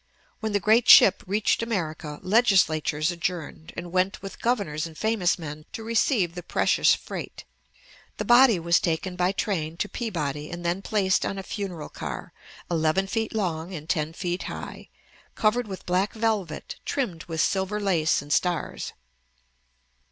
When the great ship reached America, Legislatures adjourned, and went with Governors and famous men to receive the precious freight. The body was taken by train to Peabody, and then placed on a funeral car, eleven feet long and ten feet high, covered with black velvet, trimmed with silver lace and stars.